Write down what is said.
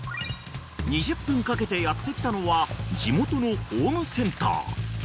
［２０分かけてやって来たのは地元のホームセンター］